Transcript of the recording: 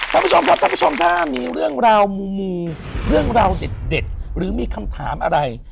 ท่านผู้ชมครับท่านผู้ชมถ้ามีเรื่องราวมูเรื่องราวเด็ดหรือมีคำถามอะไร